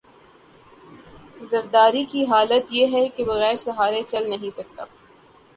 زرداری کی حالت یہ ہے کہ بغیر سہارے چل نہیں سکتے۔